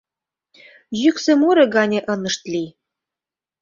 «Йӱксӧ муро» гане ынышт лий.